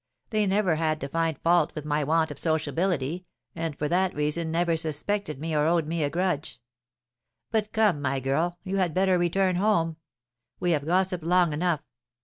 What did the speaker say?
They never had to find fault with my want of sociability, and for that reason never suspected me or owed me a grudge. But come, my girl, you had better return home; we have gossiped long enough.